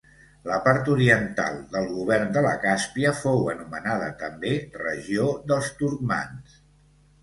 La part oriental del govern de la Càspia fou anomenada també regió dels turcmans.